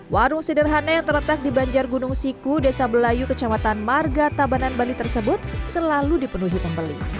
warung sederhana yang terletak di banjar gunung siku desa belayu kecamatan marga tabanan bali tersebut selalu dipenuhi pembeli